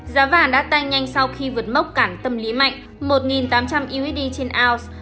giá vàng đã tăng nhanh sau khi vượt mốc cản tâm lý mạnh một tám trăm linh usd trên ounce